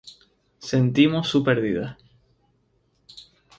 Sentimos su pérdida.